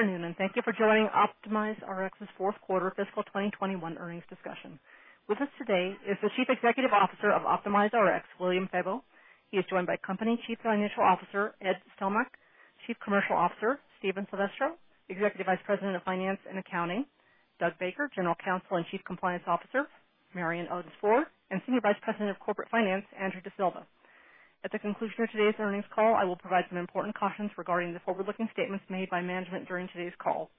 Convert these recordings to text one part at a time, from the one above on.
Good afternoon, and thank you for joining OptimizeRx's Fourth Quarter Fiscal 2021 Earnings Discussion. With us today is the Chief Executive Officer of OptimizeRx, William Febbo. He is joined by the Company's Chief Financial Officer, Ed Stelmakh, Chief Commercial Officer, Stephen Silvestro, Executive Vice President of Finance and Accounting, Doug Baker, General Counsel and Chief Compliance Officer, Marion Odence-Ford, and Senior Vice President of Corporate Finance, Andrew D'Silva. At the conclusion of today's earnings call, I will provide some important cautions regarding the forward-looking statements made by management during today's call.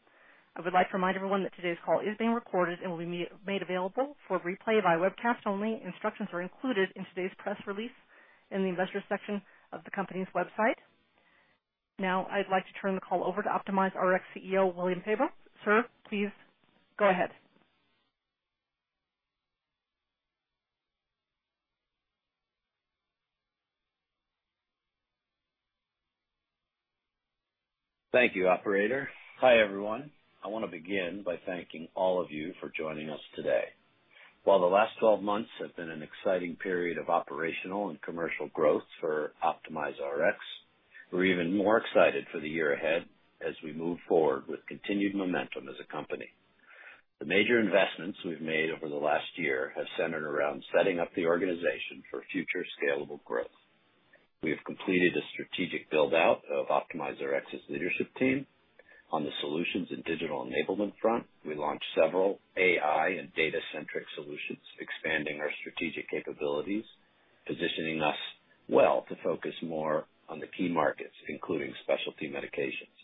I would like to remind everyone that today's call is being recorded and will be made available for replay via webcast only. Instructions are included in today's press release in the Investors section of the company's website. Now I'd like to turn the call over to OptimizeRx CEO, William Febbo. Sir, please go ahead. Thank you, operator. Hi, everyone. I wanna begin by thanking all of you for joining us today. While the last 12 months have been an exciting period of operational and commercial growth for OptimizeRx, we're even more excited for the year ahead as we move forward with continued momentum as a company. The major investments we've made over the last year have centered around setting up the organization for future scalable growth. We have completed a strategic build-out of OptimizeRx's leadership team. On the solutions and digital enablement front, we launched several AI and data-centric solutions, expanding our strategic capabilities, positioning us well to focus more on the key markets, including specialty medications.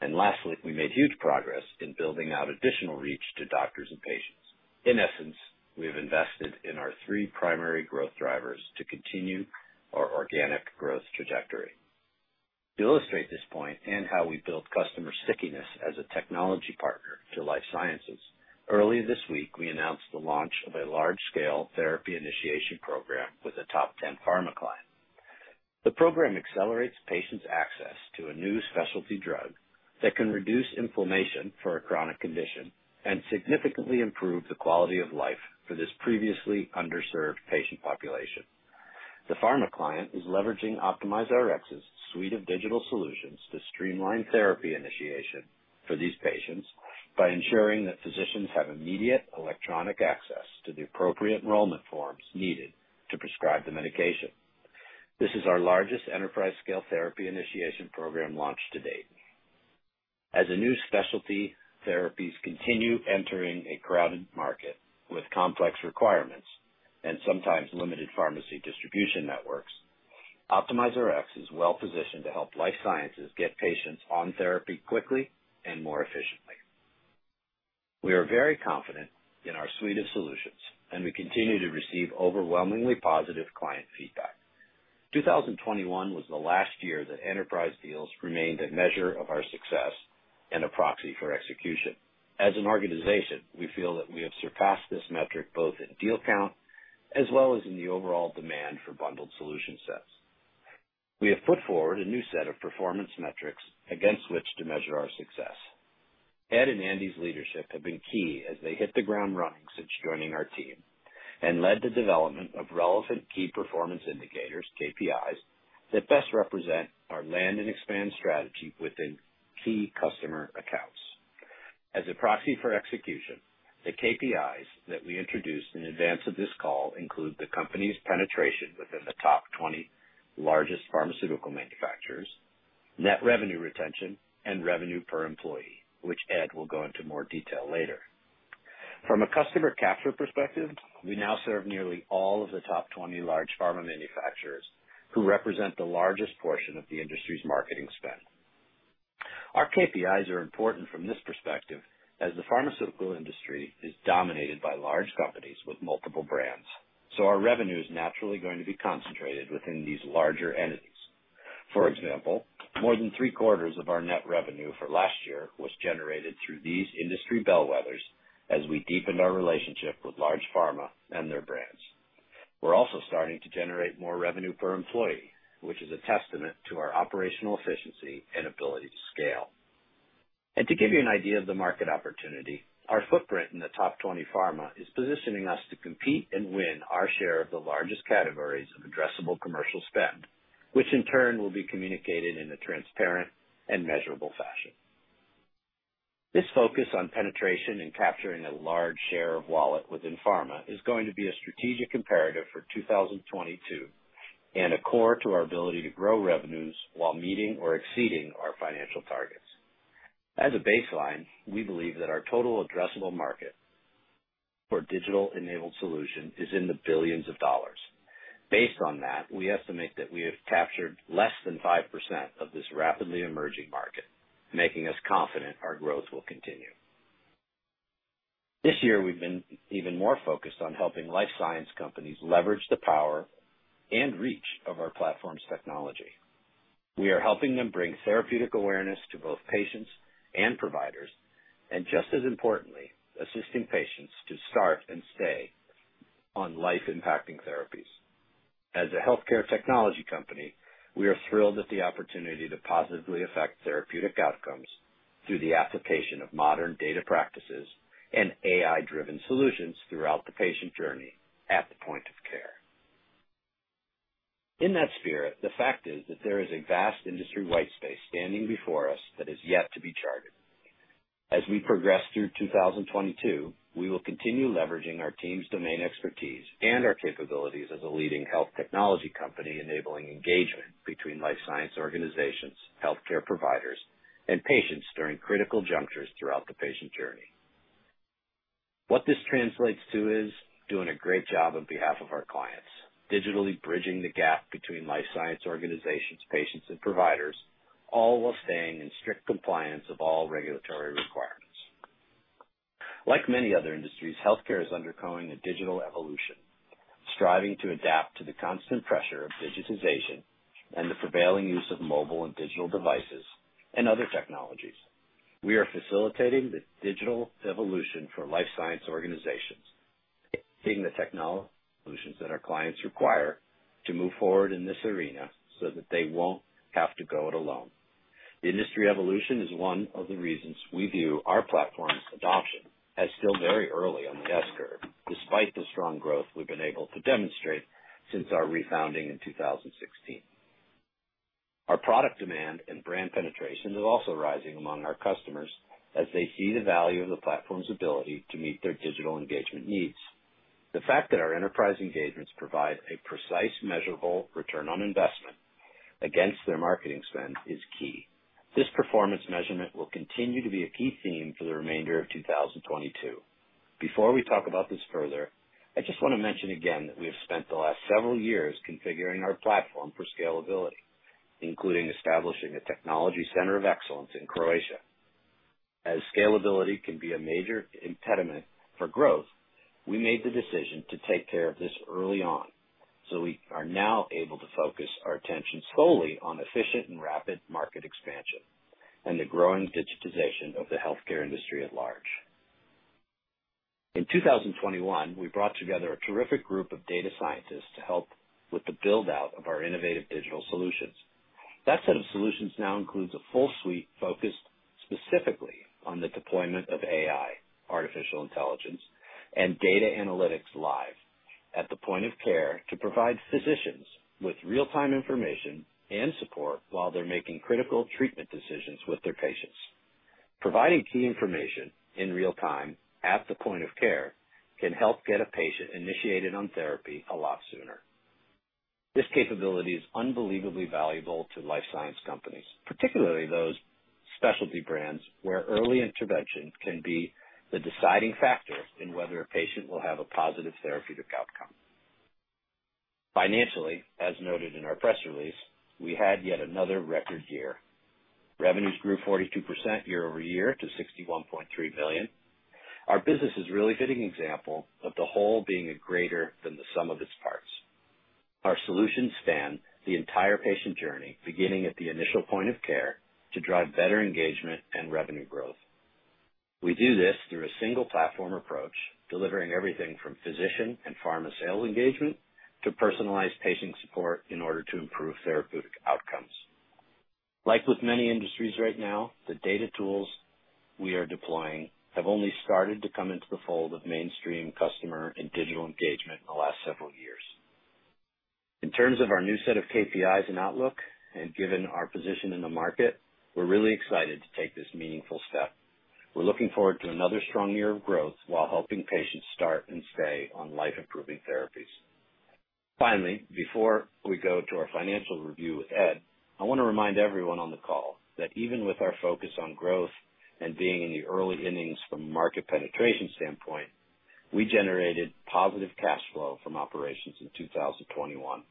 Lastly, we made huge progress in building out additional reach to doctors and patients. In essence, we have invested in our three primary growth drivers to continue our organic growth trajectory. To illustrate this point and how we build customer stickiness as a technology partner to life sciences, early this week, we announced the launch of a large-scale therapy initiation program with a top 10 pharma client. The program accelerates patients' access to a new specialty drug that can reduce inflammation for a chronic condition and significantly improve the quality of life for this previously underserved patient population. The pharma client is leveraging OptimizeRx's suite of digital solutions to streamline therapy initiation for these patients by ensuring that physicians have immediate electronic access to the appropriate enrollment forms needed to prescribe the medication. This is our largest enterprise-scale therapy initiation program launch to date. As a new specialty therapies continue entering a crowded market with complex requirements and sometimes limited pharmacy distribution networks, OptimizeRx is well-positioned to help life sciences get patients on therapy quickly and more efficiently. We are very confident in our suite of solutions, and we continue to receive overwhelmingly positive client feedback. 2021 was the last year that enterprise deals remained a measure of our success and a proxy for execution. As an organization, we feel that we have surpassed this metric both in deal count, as well as in the overall demand for bundled solution sets. We have put forward a new set of performance metrics against which to measure our success. Ed and Andy's leadership have been key as they hit the ground running since joining our team and led the development of relevant key performance indicators, KPIs, that best represent our land and expand strategy within key customer accounts. As a proxy for execution, the KPIs that we introduced in advance of this call include the company's penetration within the top 20 largest pharmaceutical manufacturers, net revenue retention, and revenue per employee, which Ed will go into more detail later. From a customer capture perspective, we now serve nearly all of the top 20 large pharma manufacturers who represent the largest portion of the industry's marketing spend. Our KPIs are important from this perspective as the pharmaceutical industry is dominated by large companies with multiple brands, so our revenue is naturally going to be concentrated within these larger entities. For example, more than three-quarters of our net revenue for last year was generated through these industry bellwethers as we deepened our relationship with large pharma and their brands. We're also starting to generate more revenue per employee, which is a testament to our operational efficiency and ability to scale. To give you an idea of the market opportunity, our footprint in the top 20 pharma is positioning us to compete and win our share of the largest categories of addressable commercial spend, which in turn will be communicated in a transparent and measurable fashion. This focus on penetration and capturing a large share of wallet within pharma is going to be a strategic imperative for 2022 and a core to our ability to grow revenues while meeting or exceeding our financial targets. As a baseline, we believe that our total addressable market for digital-enabled solution is in the billions of dollars. Based on that, we estimate that we have captured less than 5% of this rapidly emerging market, making us confident our growth will continue. This year, we've been even more focused on helping life science companies leverage the power and reach of our platform's technology. We are helping them bring therapeutic awareness to both patients and providers and, just as importantly, assisting patients to start and stay on life-impacting therapies. As a healthcare technology company, we are thrilled at the opportunity to positively affect therapeutic outcomes through the application of modern data practices and AI-driven solutions throughout the patient journey at the point of care. In that spirit, the fact is that there is a vast industry white space standing before us that is yet to be charted. As we progress through 2022, we will continue leveraging our team's domain expertise and our capabilities as a leading health technology company, enabling engagement between life science organizations, healthcare providers, and patients during critical junctures throughout the patient journey. What this translates to is doing a great job on behalf of our clients, digitally bridging the gap between life science organizations, patients, and providers, all while staying in strict compliance of all regulatory requirements. Like many other industries, healthcare is undergoing a digital evolution, striving to adapt to the constant pressure of digitization and the prevailing use of mobile and digital devices and other technologies. We are facilitating the digital evolution for life science organizations, taking the tech solutions that our clients require to move forward in this arena so that they won't have to go it alone. The industry evolution is one of the reasons we view our platform's adoption as still very early on the S-curve, despite the strong growth we've been able to demonstrate since our refounding in 2016. Our product demand and brand penetration is also rising among our customers as they see the value of the platform's ability to meet their digital engagement needs. The fact that our enterprise engagements provide a precise, measurable return on investment against their marketing spend is key. This performance measurement will continue to be a key theme for the remainder of 2022. Before we talk about this further, I just wanna mention again that we have spent the last several years configuring our platform for scalability, including establishing a technology center of excellence in Croatia. As scalability can be a major impediment for growth, we made the decision to take care of this early on, so we are now able to focus our attention solely on efficient and rapid market expansion and the growing digitization of the healthcare industry at large. In 2021, we brought together a terrific group of data scientists to help with the build-out of our innovative digital solutions. That set of solutions now includes a full suite focused specifically on the deployment of AI, artificial intelligence, and data analytics live at the point of care to provide physicians with real-time information and support while they're making critical treatment decisions with their patients. Providing key information in real time at the point of care can help get a patient initiated on therapy a lot sooner. This capability is unbelievably valuable to life science companies, particularly those specialty brands where early intervention can be the deciding factor in whether a patient will have a positive therapeutic outcome. Financially, as noted in our press release, we had yet another record year. Revenues grew 42% year-over-year to $61.3 million. Our business is really fitting example of the whole being a greater than the sum of its parts. Our solutions span the entire patient journey, beginning at the initial point of care to drive better engagement and revenue growth. We do this through a single platform approach, delivering everything from physician and pharma sales engagement to personalized patient support in order to improve therapeutic outcomes. Like with many industries right now, the data tools we are deploying have only started to come into the fold of mainstream customer and digital engagement in the last several years. In terms of our new set of KPIs and outlook, and given our position in the market, we're really excited to take this meaningful step. We're looking forward to another strong year of growth while helping patients start and stay on life-improving therapies. Finally, before we go to our financial review with Ed, I wanna remind everyone on the call that even with our focus on growth and being in the early innings from a market penetration standpoint, we generated positive cash flow from operations in 2021.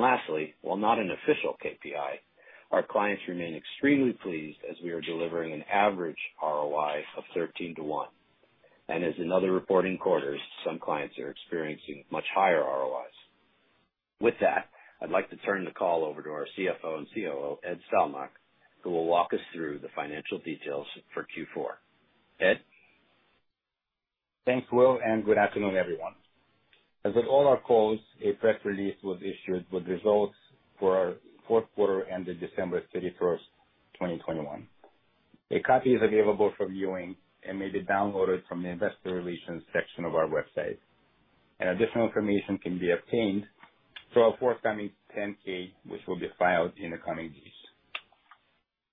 Lastly, while not an official KPI, our clients remain extremely pleased as we are delivering an average ROI of 13-to-1. As in other reporting quarters, some clients are experiencing much higher ROIs. With that, I'd like to turn the call over to our CFO and COO, Ed Stelmakh, who will walk us through the financial details for Q4. Ed? Thanks, Will, and good afternoon, everyone. As with all our calls, a press release was issued with results for our fourth quarter ended December 31st, 2021. A copy is available for viewing and may be downloaded from the investor relations section of our website. Additional information can be obtained through our forthcoming 10-K, which will be filed in the coming weeks.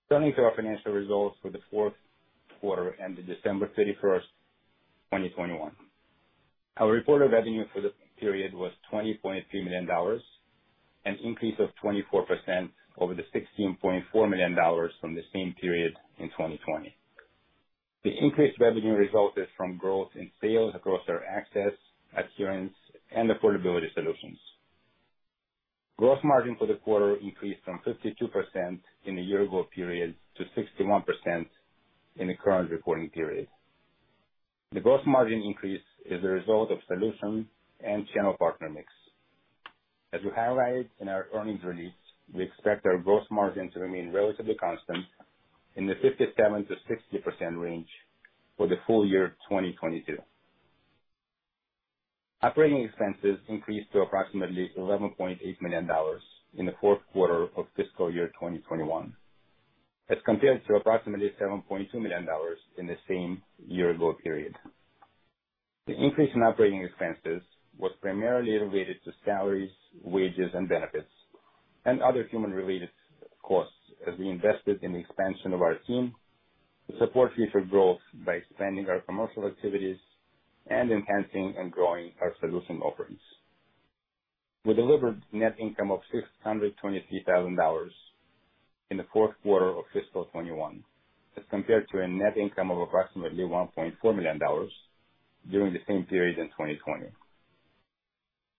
Turning to our financial results for the fourth quarter ended December 31st, 2021. Our reported revenue for the period was $20.3 million, an increase of 24% over the $16.4 million from the same period in 2020. This increased revenue resulted from growth in sales across our access, adherence, and affordability solutions. Gross margin for the quarter increased from 52% in the year ago period to 61% in the current reporting period. The gross margin increase is a result of solution and channel partner mix. As we highlighted in our earnings release, we expect our gross margin to remain relatively constant in the 57%-60% range for the full year of 2022. Operating expenses increased to approximately $11.8 million in the fourth quarter of fiscal year 2021, as compared to approximately $7.2 million in the same year ago period. The increase in operating expenses was primarily related to salaries, wages, and benefits and other human-related costs as we invested in the expansion of our team to support future growth by expanding our commercial activities and enhancing and growing our solution offerings. We delivered net income of $623,000 in the fourth quarter of fiscal 2021, as compared to a net income of approximately $1.4 million during the same period in 2020.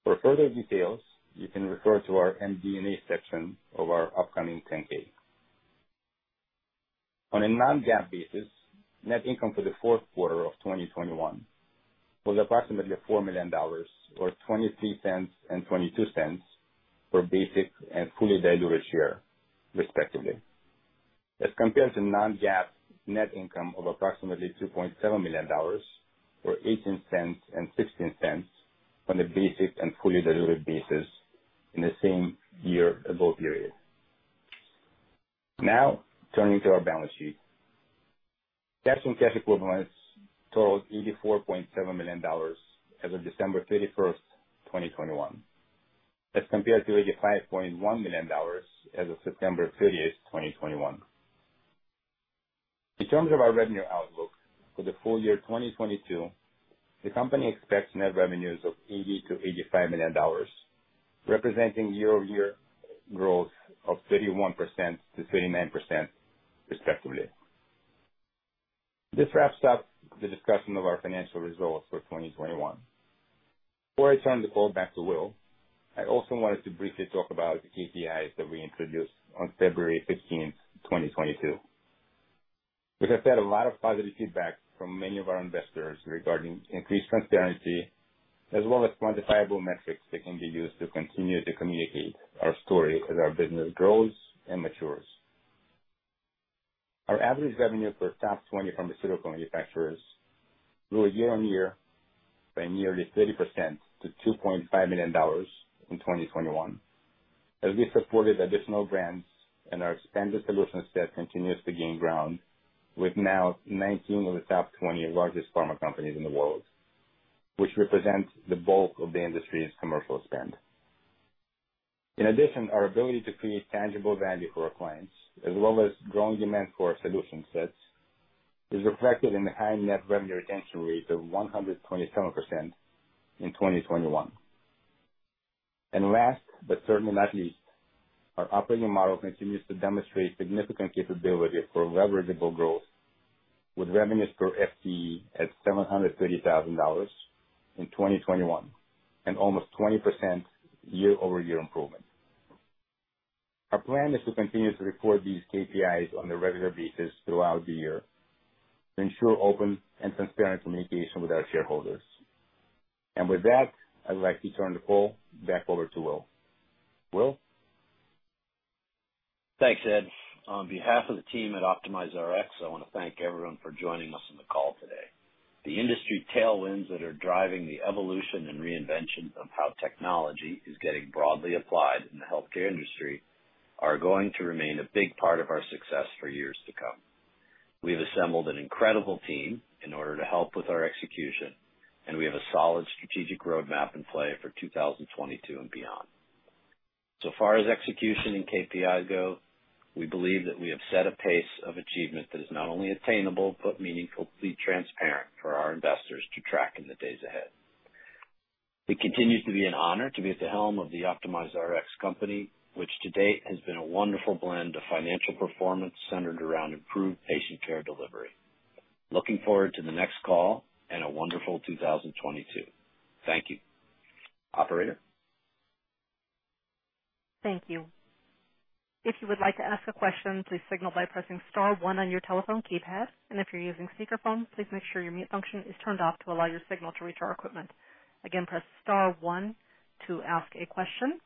For further details, you can refer to our MD&A section of our upcoming 10-K. On a non-GAAP basis, net income for the fourth quarter of 2021 was approximately $4 million, or $0.23 and $0.22 for basic and fully diluted share, respectively, as compared to non-GAAP net income of approximately $2.7 million, or $0.18 and $0.16 on a basic and fully-diluted basis in the same year-ago period. Now, turning to our balance sheet. Cash and cash equivalents totaled $84.7 million as of December 31st, 2021. That's compared to $85.1 million as of September 30th, 2021. In terms of our revenue outlook for the full year 2022, the company expects net revenues of $80 million-$85 million, representing year-over-year growth of 31%-39% respectively. This wraps up the discussion of our financial results for 2021. Before I turn the call back to Will, I also wanted to briefly talk about the KPIs that we introduced on February 15th, 2022. We have had a lot of positive feedback from many of our investors regarding increased transparency as well as quantifiable metrics that can be used to continue to communicate our story as our business grows and matures. Our average revenue per top 20 pharmaceutical manufacturers grew year-on-year by nearly 30% to $2.5 million in 2021 as we supported additional brands and our expanded solution set continues to gain ground with now 19 of the top 20 largest pharma companies in the world, which represents the bulk of the industry's commercial spend. In addition, our ability to create tangible value for our clients, as well as growing demand for our solution sets, is reflected in the high net revenue retention rate of 127% in 2021. Last, but certainly not least, our operating model continues to demonstrate significant capability for leverageable growth with revenues per FTE at $730,000 in 2021 and almost 20% year-over-year improvement. Our plan is to continue to report these KPIs on a regular basis throughout the year to ensure open and transparent communication with our shareholders. With that, I'd like to turn the call back over to Will. Will? Thanks, Ed. On behalf of the team at OptimizeRx, I wanna thank everyone for joining us on the call today. The industry tailwinds that are driving the evolution and reinvention of how technology is getting broadly applied in the healthcare industry are going to remain a big part of our success for years to come. We've assembled an incredible team in order to help with our execution, and we have a solid strategic roadmap in play for 2022 and beyond. So far as execution and KPI go, we believe that we have set a pace of achievement that is not only attainable, but meaningfully transparent for our investors to track in the days ahead. It continues to be an honor to be at the helm of the OptimizeRx company, which to date has been a wonderful blend of financial performance centered around improved patient care delivery. Looking forward to the next call and a wonderful 2022. Thank you. Operator? Thank you. If you would like to ask a question, please signal by pressing star one on your telephone keypad. If you're using speakerphone, please make sure your mute function is turned off to allow your signal to reach our equipment. Again, press star one to ask a question.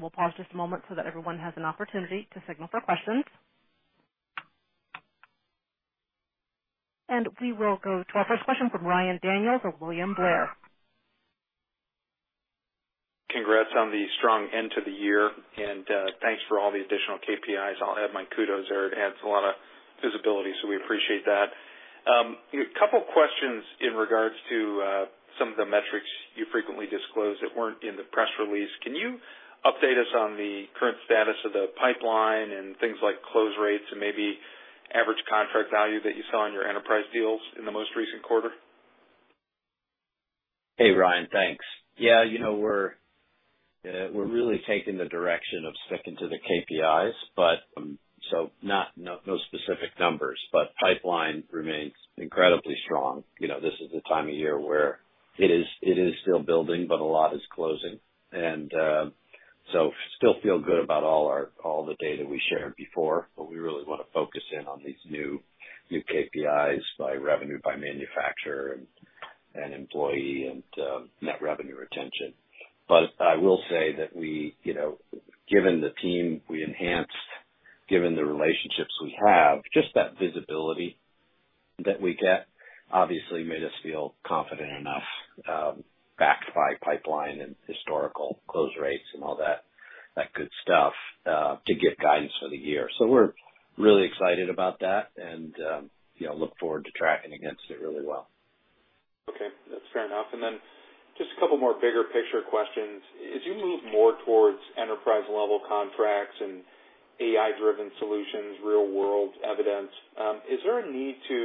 We'll pause just a moment so that everyone has an opportunity to signal for questions. We will go to our first question from Ryan Daniels of William Blair. Congrats on the strong end to the year, and thanks for all the additional KPIs. I'll add my kudos there. It adds a lot of visibility, so we appreciate that. A couple questions in regards to some of the metrics you frequently disclose that weren't in the press release. Can you update us on the current status of the pipeline and things like close rates and maybe average contract value that you saw in your enterprise deals in the most recent quarter? Hey, Ryan. Thanks. Yeah, you know, we're really taking the direction of sticking to the KPIs, but no specific numbers. Pipeline remains incredibly strong. You know, this is the time of year where it is still building, but a lot is closing. Still feel good about all the data we shared before, but we really wanna focus in on these new KPIs by revenue, by manufacturer, and employee, and net revenue retention. I will say that we, you know, given the team we enhanced, given the relationships we have, just that visibility that we get obviously made us feel confident enough, backed by pipeline and historical close rates and all that. That good stuff to give guidance for the year. We're really excited about that and, you know, look forward to tracking against it really well. Okay, that's fair enough. Then just a couple more bigger picture questions. As you move more towards enterprise-level contracts and AI-driven solutions, real-world evidence, is there a need to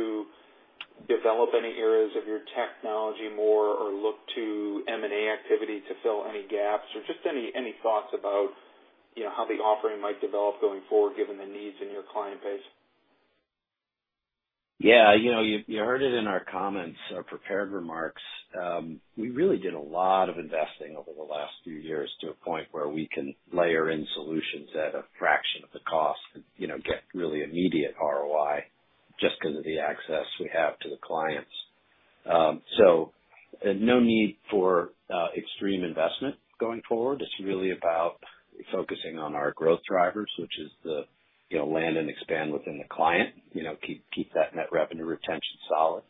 develop any areas of your technology more or look to M&A activity to fill any gaps? Or just any thoughts about, you know, how the offering might develop going forward given the needs in your client base? Yeah. You know, you heard it in our comments or prepared remarks. We really did a lot of investing over the last few years to a point where we can layer in solutions at a fraction of the cost and, you know, get really immediate ROI just 'cause of the access we have to the clients. No need for extreme investment going forward. It's really about focusing on our growth drivers, which is the, you know, land and expand within the client. You know, keep that net revenue retention solid.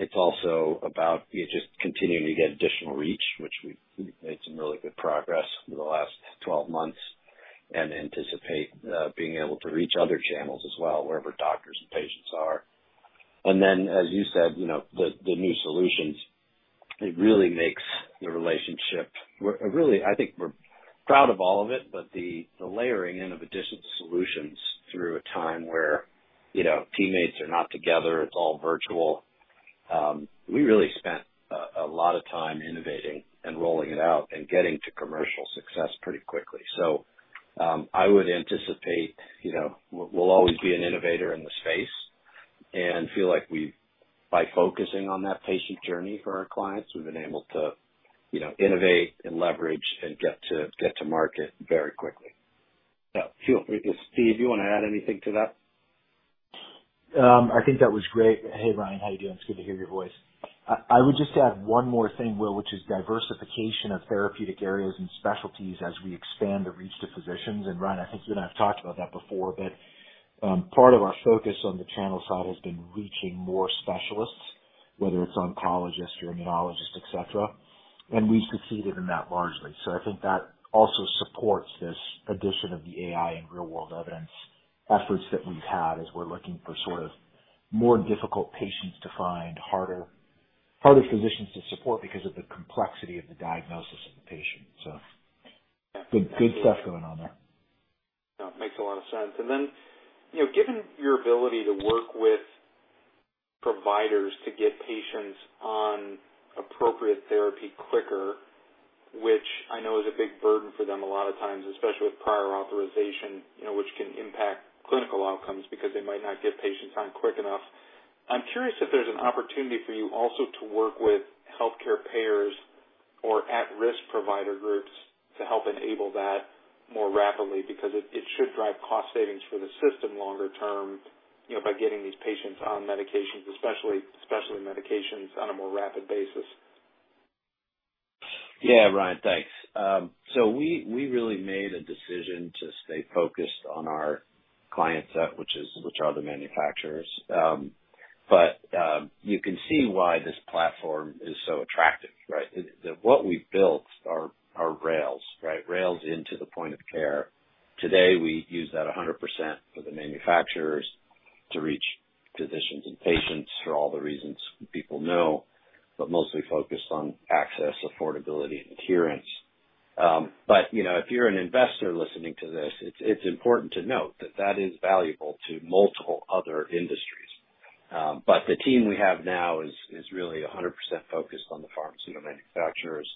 It's also about just continuing to get additional reach, which we've made some really good progress over the last 12 months and anticipate being able to reach other channels as well, wherever doctors and patients are. As you said, you know, the new solutions, it really makes the relationship. We're really, I think we're proud of all of it, but the layering in of additional solutions through a time where, you know, teammates are not together, it's all virtual, we really spent a lot of time innovating and rolling it out and getting to commercial success pretty quickly. So, I would anticipate, you know, we'll always be an innovator in the space and feel like we by focusing on that patient journey for our clients, we've been able to, you know, innovate and leverage and get to market very quickly. Yeah, feel free to. Steve, you wanna add anything to that? I think that was great. Hey, Ryan, how you doing? It's good to hear your voice. I would just add one more thing, Will, which is diversification of therapeutic areas and specialties as we expand the reach to physicians. Ryan, I think you and I have talked about that before, but part of our focus on the channel side has been reaching more specialists, whether it's oncologists, immunologists, et cetera, and we've succeeded in that largely. I think that also supports this addition of the AI and real world evidence efforts that we've had as we're looking for sort of more difficult patients to find, harder physicians to support because of the complexity of the diagnosis of the patient. Good stuff going on there. No, it makes a lot of sense. Then, you know, given your ability to work with providers to get patients on appropriate therapy quicker, which I know is a big burden for them a lot of times, especially with prior authorization, you know, which can impact clinical outcomes because they might not get patients on quick enough. I'm curious if there's an opportunity for you also to work with healthcare payers or at-risk provider groups to help enable that more rapidly, because it should drive cost savings for the system longer term, you know, by getting these patients on medications, especially medications on a more rapid basis. Yeah, Ryan, thanks. We really made a decision to stay focused on our client set, which are the manufacturers. You can see why this platform is so attractive, right? What we've built are rails, right? Rails into the point of care. Today, we use that 100% for the manufacturers to reach physicians and patients for all the reasons people know, but mostly focused on access, affordability and adherence. You know, if you're an investor listening to this, it's important to note that is valuable to multiple other industries. The team we have now is really 100% focused on the pharmaceutical manufacturers.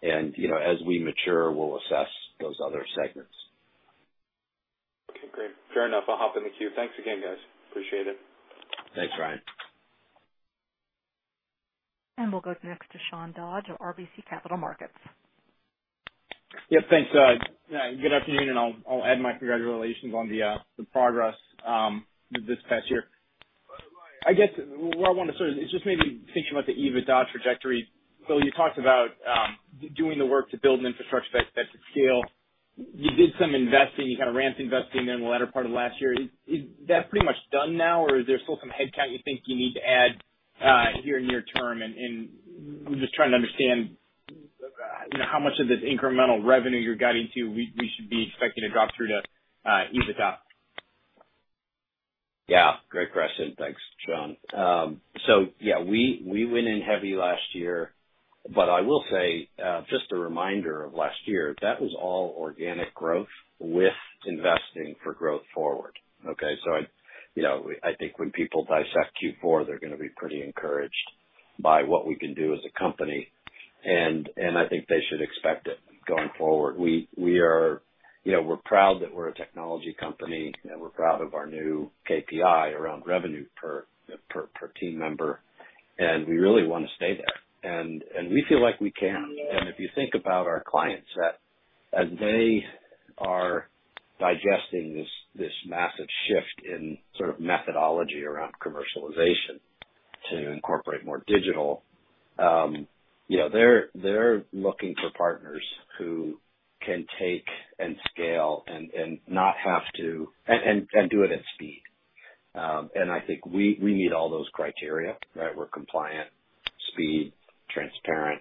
You know, as we mature, we'll assess those other segments. Okay, great. Fair enough. I'll hop in the queue. Thanks again, guys. Appreciate it. Thanks, Ryan. We'll go next to Sean Dodge of RBC Capital Markets. Yep, thanks. Good afternoon, and I'll add my congratulations on the progress this past year. I guess where I want to start is just maybe thinking about the EBITDA trajectory. You talked about doing the work to build an infrastructure that could scale. You did some investing. You kind of ramped investing in the latter part of last year. Is that pretty much done now, or is there still some headcount you think you need to add here near term? And I'm just trying to understand, you know, how much of this incremental revenue you're guiding to we should be expecting to drop through to EBITDA. Yeah, great question. Thanks, Sean. We went in heavy last year, but I will say, just a reminder of last year, that was all organic growth with investing for growth forward. Okay. You know, I think when people dissect Q4, they're gonna be pretty encouraged by what we can do as a company. I think they should expect it going forward. You know, we're proud that we're a technology company, and we're proud of our new KPI around revenue per team member, and we really wanna stay there. We feel like we can. If you think about our client set, as they are digesting this massive shift in sort of methodology around commercialization to incorporate more digital, you know, they're looking for partners who can take and scale and do it at speed. I think we meet all those criteria, right? We're compliant, speed, transparent,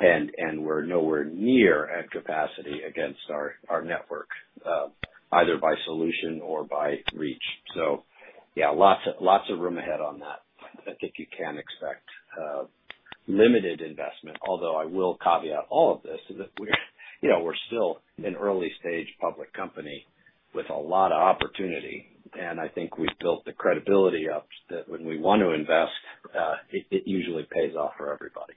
and we're nowhere near at capacity against our network, either by solution or by reach. Yeah, lots of room ahead on that. I think you can expect limited investment, although I will caveat all of this is that we're, you know, we're still an early stage public company with a lot of opportunity, and I think we've built the credibility up that when we want to invest, it usually pays off for everybody.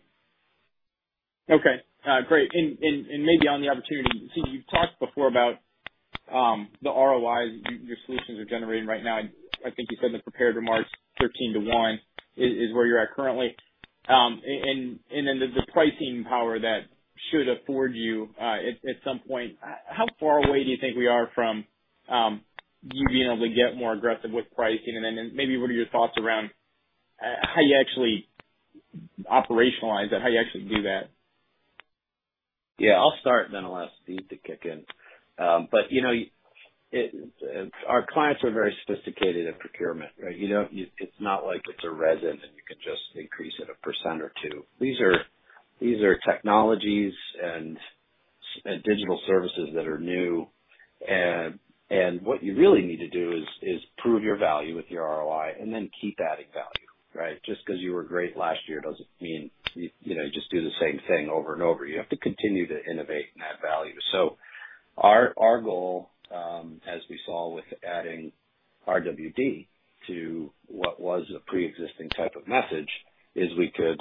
Okay. Great. Maybe on the opportunity, so you've talked before about the ROIs your solutions are generating right now. I think you said in the prepared remarks 13 to 1 is where you're at currently. The pricing power that should afford you, at some point, how far away do you think we are from you being able to get more aggressive with pricing? Maybe what are your thoughts around how you actually operationalize that, how you actually do that? Yeah, I'll start and then I'll ask Steve to kick in. You know, our clients are very sophisticated in procurement, right? It's not like it's a resin, and you can just increase it 1% or 2%. These are technologies and digital services that are new. What you really need to do is prove your value with your ROI and then keep adding value, right? Just because you were great last year doesn't mean you know, just do the same thing over and over. You have to continue to innovate and add value. Our goal, as we saw with adding RWD to what was a pre-existing type of message, is we could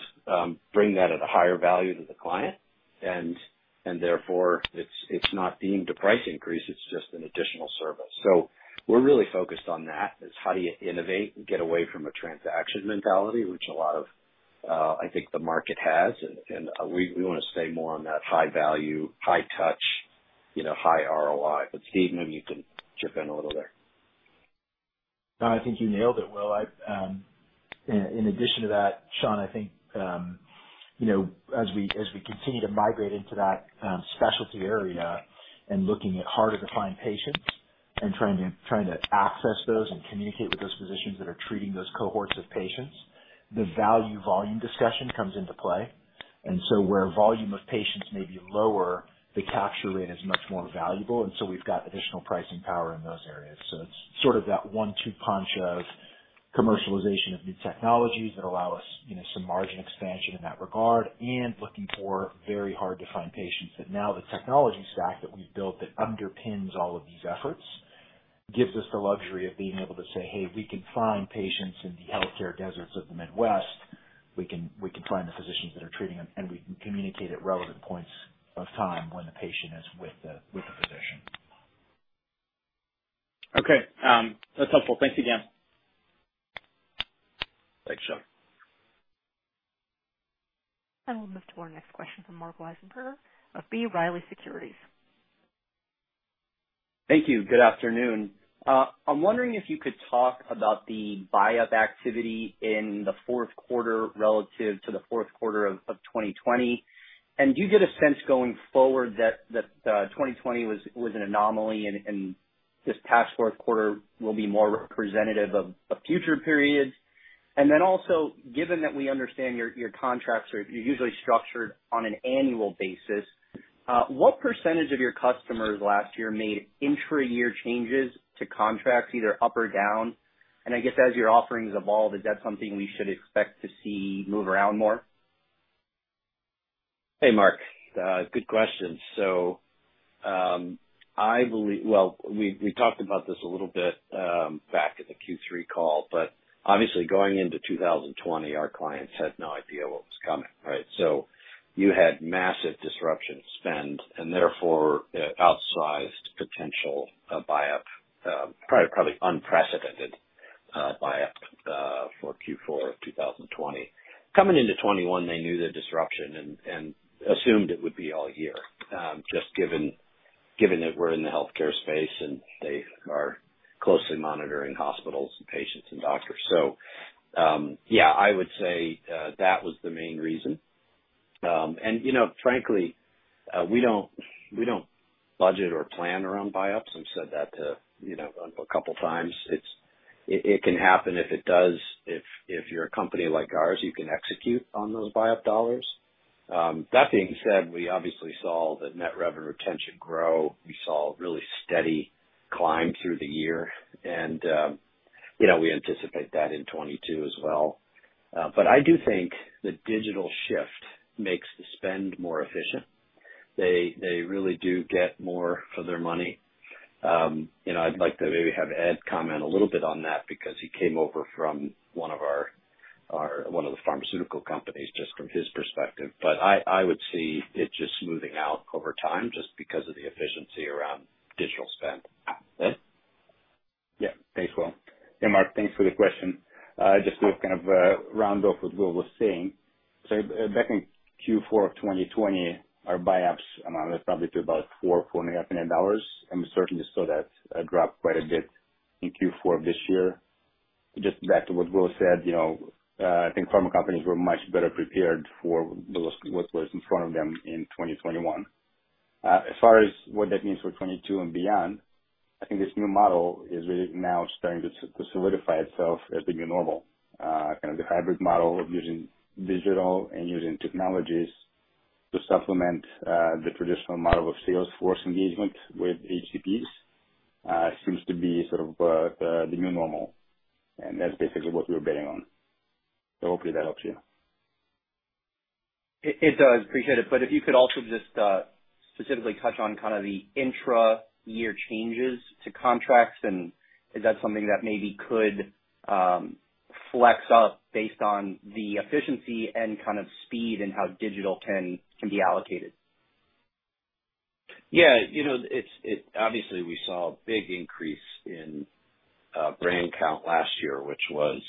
bring that at a higher value to the client, and therefore it's not deemed a price increase, it's just an additional service. We're really focused on that. It's how do you innovate and get away from a transaction mentality, which a lot of I think the market has. We want to stay more on that high value, high touch, you know, high ROI. Steve, maybe you can chip in a little there. No, I think you nailed it, Will. I, in addition to that, Sean, I think, you know, as we continue to migrate into that specialty area and looking at harder to find patients and trying to access those and communicate with those physicians that are treating those cohorts of patients, the value volume discussion comes into play. Where volume of patients may be lower, the capture rate is much more valuable. We've got additional pricing power in those areas. It's sort of that one-two punch of commercialization of new technologies that allow us, you know, some margin expansion in that regard, and looking for very hard to find patients that now the technology stack that we've built that underpins all of these efforts gives us the luxury of being able to say, "Hey, we can find patients in the healthcare deserts of the Midwest. We can find the physicians that are treating them, and we can communicate at relevant points of time when the patient is with the physician. Okay. That's helpful. Thanks again. Thanks, Sean. We'll move to our next question from Marc Wiesenberger of B. Riley Securities. Thank you. Good afternoon. I'm wondering if you could talk about the buy-up activity in the fourth quarter relative to the fourth quarter of 2020. Do you get a sense going forward that 2020 was an anomaly and this past fourth quarter will be more representative of future periods? Given that we understand your contracts are usually structured on an annual basis, what percentage of your customers last year made intra-year changes to contracts, either up or down? I guess as your offerings evolve, is that something we should expect to see move around more? Hey, Marc. Good question. I believe well, we talked about this a little bit back at the Q3 call, but obviously going into 2020, our clients had no idea what was coming, right? You had massive disruption spend and therefore outsized potential buyup probably unprecedented buyup for Q4 of 2020. Coming into 2021, they knew the disruption and assumed it would be all year just given that we're in the healthcare space and they are closely monitoring hospitals and patients and doctors. Yeah, I would say that was the main reason. You know, frankly, we don't budget or plan around buyups and said that you know a couple of times. It can happen. If it does, if you're a company like ours, you can execute on those buyup dollars. That being said, we obviously saw the net revenue retention grow. We saw a really steady climb through the year. You know, we anticipate that in 2022 as well. I do think the digital shift makes the spend more efficient. They really do get more for their money. You know, I'd like to maybe have Ed comment a little bit on that because he came over from one of the pharmaceutical companies, just from his perspective. I would see it just smoothing out over time just because of the efficiency around digital spend. Ed? Yeah. Thanks, William. Hey, Marc, thanks for the question. Just to kind of round off what William was saying. Back in Q4 of 2020, our buyups amounted probably to about $4.5 million. We certainly saw that drop quite a bit in Q4 of this year. Just back to what William said, you know, I think pharma companies were much better prepared for what's in front of them in 2021. As far as what that means for 2022 and beyond, I think this new model is really now starting to solidify itself as the new normal. Kind of the hybrid model of using digital and using technologies to supplement the traditional model of sales force engagement with HCPs seems to be sort of the new normal, and that's basically what we're betting on. Hopefully that helps you. It does. Appreciate it. If you could also just specifically touch on kind of the intra-year changes to contracts and is that something that maybe could flex up based on the efficiency and kind of speed and how digital can be allocated? Yeah. You know, it's obviously we saw a big increase in brand count last year, which was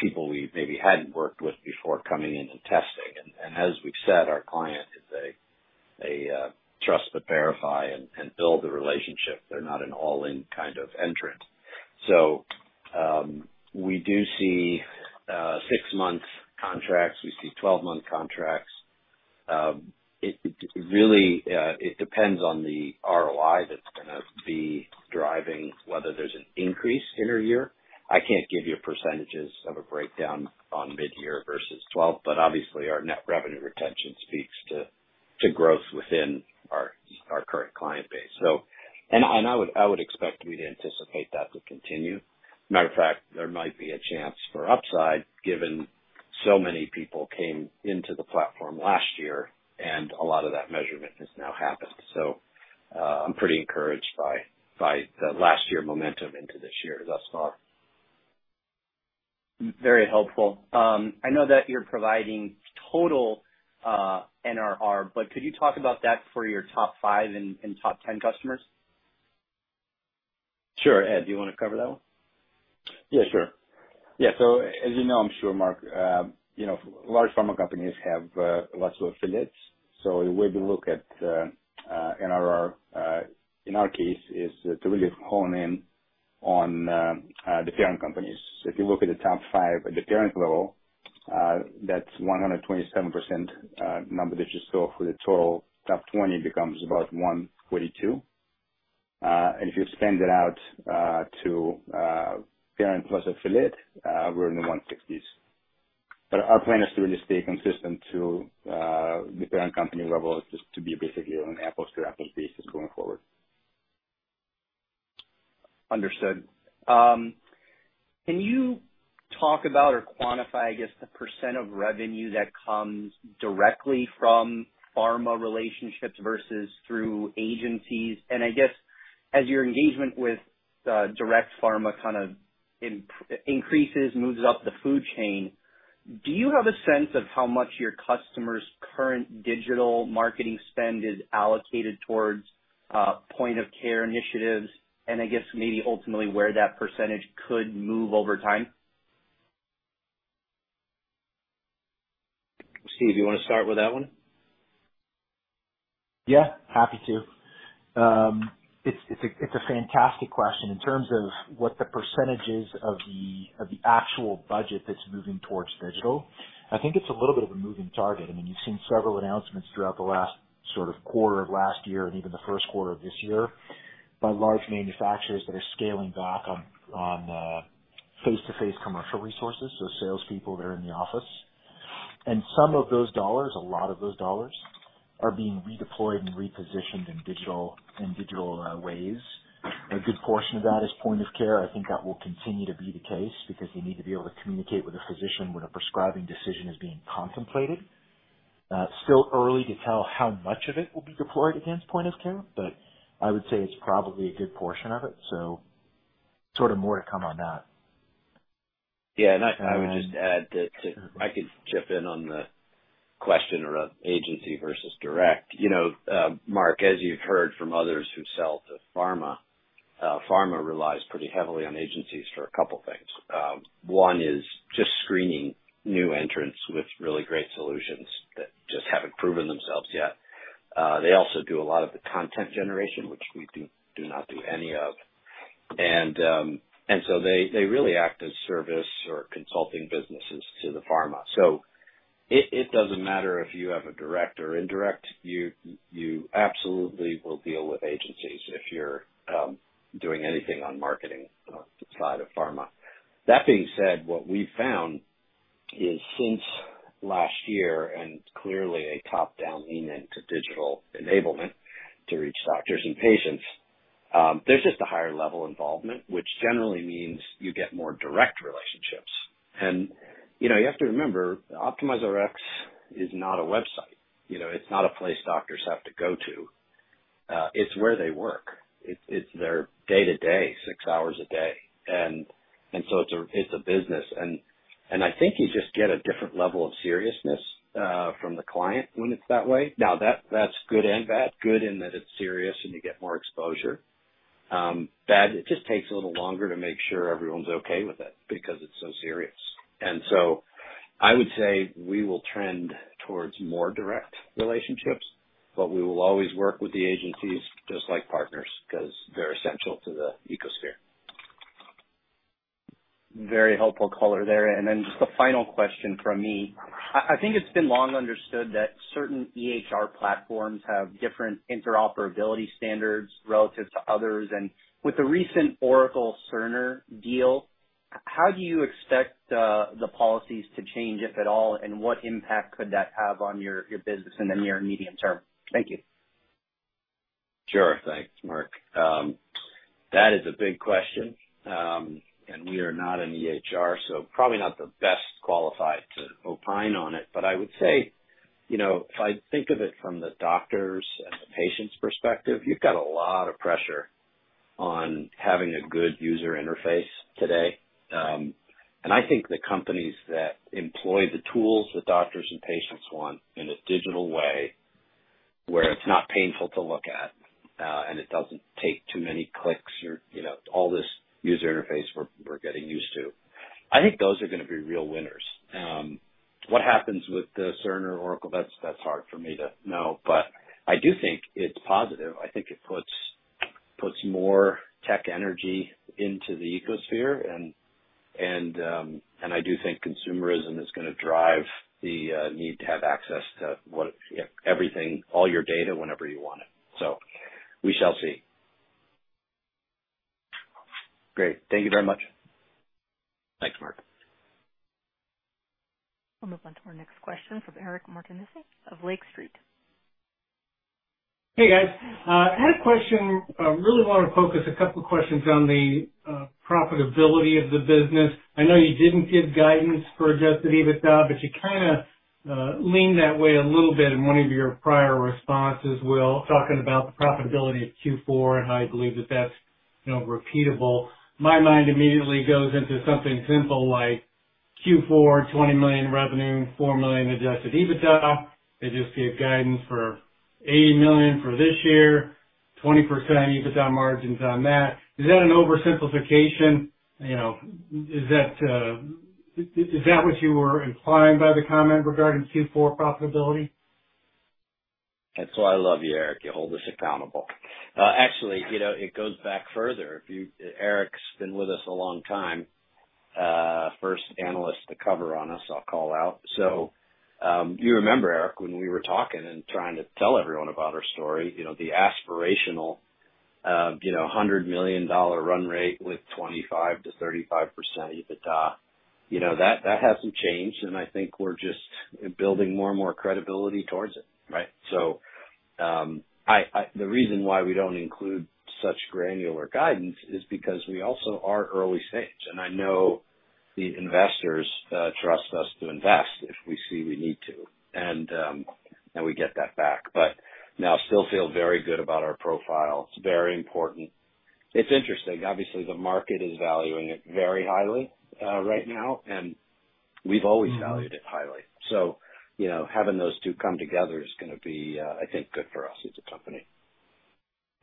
people we maybe hadn't worked with before coming in and testing. As we've said, our client is a trust but verify and build the relationship. They're not an all-in kind of entrant. We do see six-month contracts. We see twelve-month contracts. It really depends on the ROI that's gonna be driving whether there's an increase intra-year. I can't give you percentages of a breakdown on six-month versus twelve, but obviously, our net revenue retention speaks to growth within our current client base. I would expect we'd anticipate that to continue. Matter of fact, there might be a chance for upside, given so many people came into the platform last year and a lot of that measurement has now happened. I'm pretty encouraged by the last year momentum into this year thus far. Very helpful. I know that you're providing total NRR, but could you talk about that for your top five and top 10 customers? Sure. Ed, do you wanna cover that one? Yeah, sure. Yeah. As you know, I'm sure, Marc, you know, large pharma companies have lots of affiliates. The way we look at NRR in our case is to really hone in on the parent companies. If you look at the top five at the parent level, that's 127% number that you saw for the total. Top 20 becomes about 142%. If you expand it out to parent plus affiliate, we're in the 160s%. Our plan is to really stay consistent to the parent company level, just to be basically on an apples-to-apples basis going forward. Understood. Can you talk about or quantify, I guess, the percent of revenue that comes directly from pharma relationships versus through agencies? I guess as your engagement with direct pharma kind of increases, moves up the food chain, do you have a sense of how much your customers' current digital marketing spend is allocated towards point of care initiatives and I guess maybe ultimately where that percentage could move over time? Steve, you wanna start with that one? Yeah, happy to. It's a fantastic question. In terms of what the percentage is of the actual budget that's moving towards digital, I think it's a little bit of a moving target. I mean, you've seen several announcements throughout the last sort of quarter of last year and even the first quarter of this year by large manufacturers that are scaling back on face-to-face commercial resources, so salespeople that are in the office. Some of those dollars, a lot of those dollars, are being redeployed and repositioned in digital ways. A good portion of that is point of care. I think that will continue to be the case because you need to be able to communicate with a physician when a prescribing decision is being contemplated. Still early to tell how much of it will be deployed against point of care, but I would say it's probably a good portion of it, so sort of more to come on that. Yeah. I would just add that, I could chip in on the question around agency versus direct. You know, Mark, as you've heard from others who sell to pharma relies pretty heavily on agencies for a couple things. One is just screening new entrants with really great solutions that just haven't proven themselves yet. They also do a lot of the content generation, which we do not do any of. They really act as service or consulting businesses to the pharma. It doesn't matter if you have a direct or indirect, you absolutely will deal with agencies if you're doing anything on marketing side of pharma. That being said, what we've found is since last year, and clearly a top-down lean-in to digital enablement to reach doctors and patients, there's just a higher level of involvement, which generally means you get more direct relationships. You know, you have to remember, OptimizeRx is not a website. You know, it's not a place doctors have to go to. It's where they work. It's their day-to-day, six hours a day. So it's a business. I think you just get a different level of seriousness from the client when it's that way. Now, that's good and bad. Good in that it's serious and you get more exposure. Bad, it just takes a little longer to make sure everyone's okay with it because it's so serious. I would say we will trend towards more direct relationships, but we will always work with the agencies just like partners cause they're essential to the ecosystem. Very helpful color there. Then just the final question from me. I think it's been long understood that certain EHR platforms have different interoperability standards relative to others. With the recent Oracle Cerner deal, how do you expect the policies to change, if at all, and what impact could that have on your business in the near and medium term? Thank you. Sure. Thanks, Marc. That is a big question. We are not an EHR, so probably not the best qualified to opine on it. I would say, you know, if I think of it from the doctors and the patient's perspective, you've got a lot of pressure on having a good user interface today. I think the companies that employ the tools that doctors and patients want in a digital way, where it's not painful to look at, and it doesn't take too many clicks or, you know, all this user interface we're getting used to. I think those are gonna be real winners. What happens with the Cerner Oracle, that's hard for me to know. I do think it's positive. I think it puts more tech energy into the ecosystem. I do think consumerism is gonna drive the need to have access to what, you know, everything, all your data whenever you want it. We shall see. Great. Thank you very much. Thanks, Marc. We'll move on to our next question from Eric Martinuzzi of Lake Street. Hey, guys. I had a question. Really wanna focus a couple questions on the profitability of the business. I know you didn't give guidance for adjusted EBITDA, but you kinda leaned that way a little bit in one of your prior responses, Will, talking about the profitability of Q4, and how you believe that that's, you know, repeatable. My mind immediately goes into something simple like Q4, $20 million revenue, $4 million adjusted EBITDA. They just gave guidance for $80 million for this year, 20% EBITDA margins on that. Is that an oversimplification? You know, is that what you were implying by the comment regarding Q4 profitability? That's why I love you, Eric. You hold us accountable. Actually, you know, it goes back further. Eric's been with us a long time. First analyst to cover us, I'll call out. You remember, Eric, when we were talking and trying to tell everyone about our story. You know, the aspirational, you know, $100 million run rate with 25%-35% EBITDA. You know, that hasn't changed, and I think we're just building more and more credibility towards it, right? The reason why we don't include such granular guidance is because we also are early stage. I know the investors trust us to invest if we see we need to. We get that back. We now still feel very good about our profile. It's very important. It's interesting. Obviously, the market is valuing it very highly, right now, and we've always valued it highly. You know, having those two come together is gonna be, I think, good for us as a company.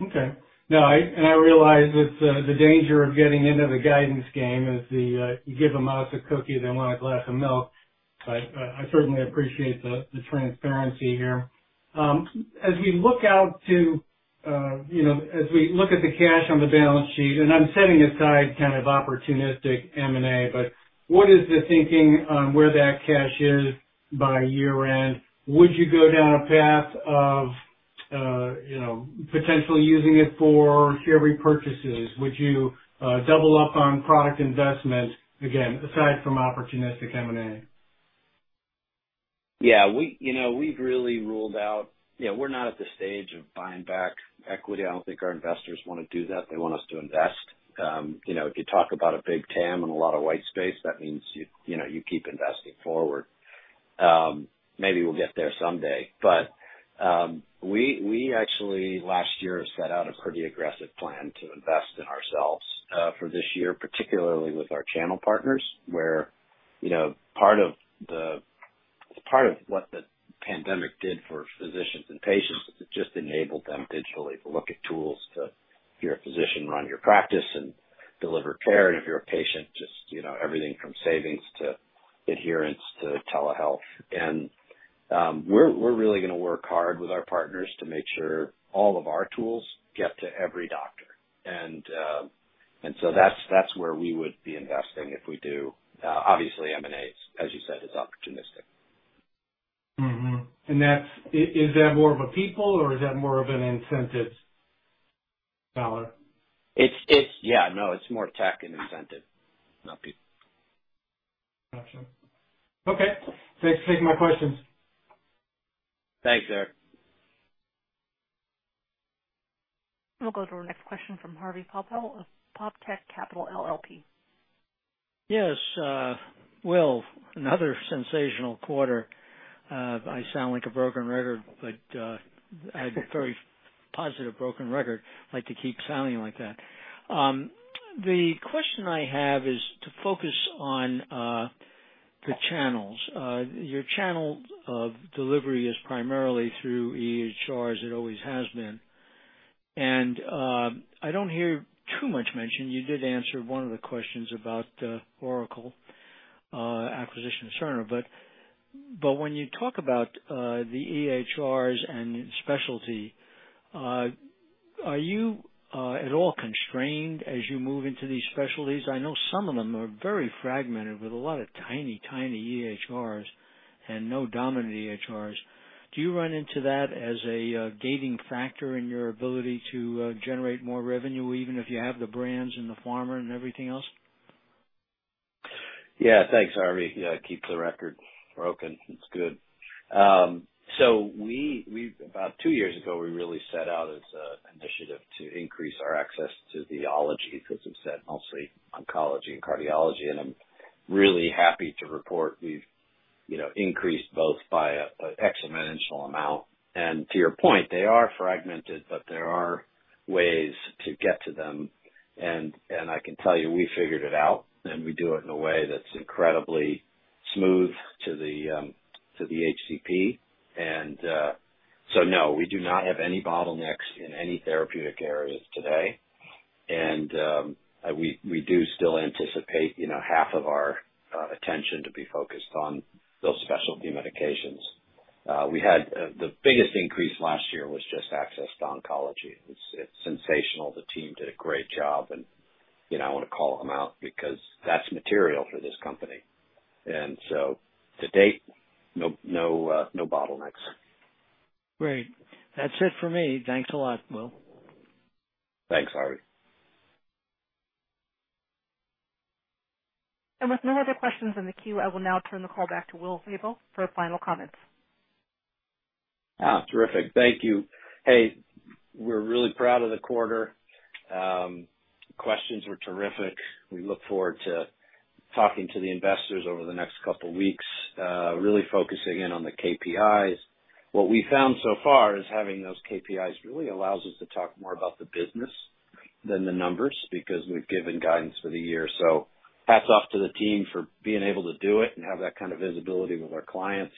Okay. No, and I realize it's the danger of getting into the guidance game is, you give a mouse a cookie, they want a glass of milk. I certainly appreciate the transparency here. As we look at the cash on the balance sheet, and I'm setting aside kind of opportunistic M&A, but what is the thinking on where that cash is by year end? Would you go down a path of you know, potentially using it for share repurchases? Would you double up on product investment? Again, aside from opportunistic M&A. Yeah, we, you know, we've really ruled out. You know, we're not at the stage of buying back equity. I don't think our investors wanna do that. They want us to invest. You know, if you talk about a big TAM and a lot of white space, that means you know, you keep investing forward. Maybe we'll get there someday. But, we actually last year set out a pretty aggressive plan to invest in ourselves, for this year, particularly with our channel partners, where, you know, part of what the pandemic did for physicians and patients is it just enabled them digitally to look at tools to, if you're a physician, run your practice and deliver care. If you're a patient, just, you know, everything from savings to adherence to telehealth. We're really gonna work hard with our partners to make sure all of our tools get to every doctor. That's where we would be investing if we do. Obviously M&A, as you said, is opportunistic. Is that more of a people or is that more of an incentive dollar? It's yeah, no, it's more tech and incentive, not people. Gotcha. Okay. Thanks. Thanks for my questions. Thanks, Eric. We'll go to our next question from Harvey Poppel of Poptech Capital LLP. Yes, Will, another sensational quarter. I sound like a broken record, but I have a very positive broken record. I like to keep sounding like that. The question I have is to focus on the channels. Your channel of delivery is primarily through EHR, as it always has been. I don't hear too much mention. You did answer one of the questions about Oracle acquisition of Cerner. But when you talk about the EHRs and specialty, are you at all constrained as you move into these specialties? I know some of them are very fragmented with a lot of tiny EHRs and no dominant EHRs. Do you run into that as a gating factor in your ability to generate more revenue, even if you have the brands and the pharma and everything else? Yeah. Thanks, Harvey. Yeah, keep the record broken. It's good. We about two years ago really set out as an initiative to increase our access to the ologies, as you've said, mostly oncology and cardiology. I'm really happy to report we've, you know, increased both by an exponential amount. To your point, they are fragmented, but there are ways to get to them. I can tell you, we figured it out, and we do it in a way that's incredibly smooth to the HCP. No, we do not have any bottlenecks in any therapeutic areas today. We do still anticipate, you know, half of our attention to be focused on those specialty medications. We had the biggest increase last year was just access to oncology. It's sensational. The team did a great job and, you know, I wanna call them out because that's material for this company. To date, no bottlenecks. Great. That's it for me. Thanks a lot, Will. Thanks, Harvey. With no other questions in the queue, I will now turn the call back to William Febbo for final comments. Terrific. Thank you. Hey, we're really proud of the quarter. Questions were terrific. We look forward to talking to the investors over the next couple weeks, really focusing in on the KPIs. What we found so far is having those KPIs really allows us to talk more about the business than the numbers, because we've given guidance for the year. Hats off to the team for being able to do it and have that kind of visibility with our clients.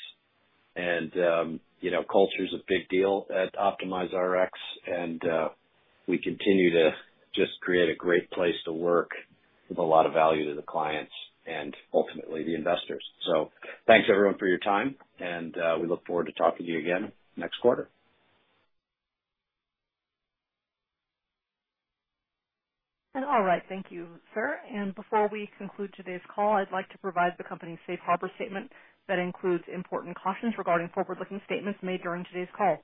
You know, culture is a big deal at OptimizeRx, and we continue to just create a great place to work with a lot of value to the clients and ultimately the investors. Thanks everyone for your time, and we look forward to talking to you again next quarter. All right. Thank you, sir. Before we conclude today's call, I'd like to provide the company's safe harbor statement that includes important cautions regarding forward-looking statements made during today's call.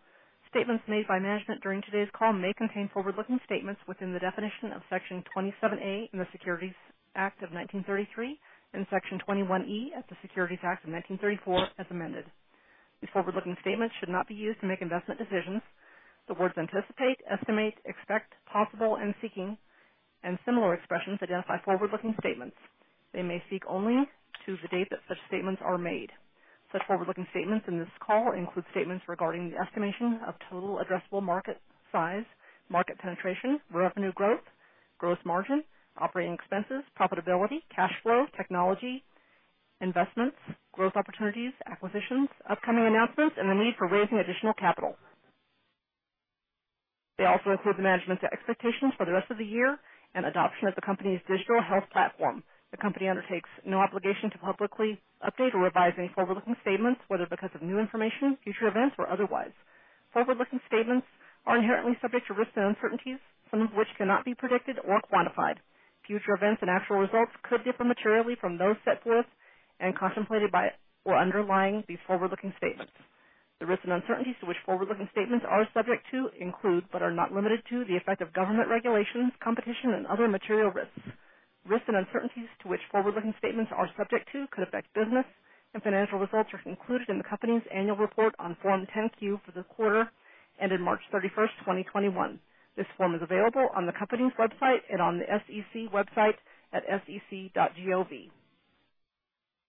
Statements made by management during today's call may contain forward-looking statements within the definition of Section 27A in the Securities Act of 1933 and Section 21E of the Securities Exchange Act of 1934 as amended. These forward-looking statements should not be used to make investment decisions. The words anticipate, estimate, expect, possible, and seeking and similar expressions identify forward-looking statements. They may speak only as of the date that such statements are made. Such forward-looking statements in this call include statements regarding the estimation of total addressable market size, market penetration, revenue growth, gross margin, operating expenses, profitability, cash flow, technology, investments, growth opportunities, acquisitions, upcoming announcements, and the need for raising additional capital. They also include the Management's expectations for the rest of the year and adoption of the company's digital health platform. The company undertakes no obligation to publicly update or revise any forward-looking statements, whether because of new information, future events or otherwise. Forward-looking statements are inherently subject to risks and uncertainties, some of which cannot be predicted or quantified. Future events and actual results could differ materially from those set forth and contemplated by or underlying these forward-looking statements. The risks and uncertainties to which forward-looking statements are subject to include, but are not limited to, the effect of government regulations, competition and other material risks. Risks and uncertainties to which forward-looking statements are subject to could affect business and financial results are included in the company's annual report on Form 10-Q for the quarter ended March 31st, 2021. This form is available on the company's website and on the SEC website at sec.gov.